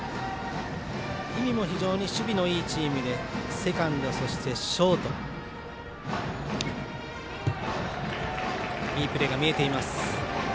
氷見も非常に守備のいいチームでセカンド、そしてショートいいプレーが見えています。